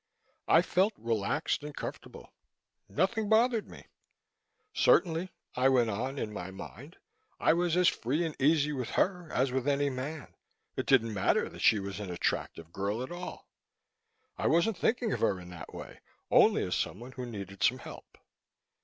I felt relaxed and comfortable; nothing bothered me. Certainly, I went on in my mind, I was as free and easy with her as with any man; it didn't matter that she was an attractive girl at all. I wasn't thinking of her in that way, only as someone who needed some help.